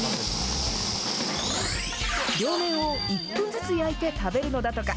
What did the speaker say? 両面を１分ずつ焼いて食べるのだとか。